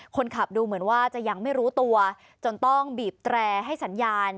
คนขับดูเหมือนว่าจะยังไม่รู้ตัวจนต้องบีบแตรให้สัญญาณ